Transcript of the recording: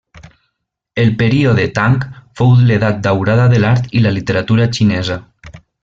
El període Tang fou l'edat daurada de l'art i la literatura xinesa.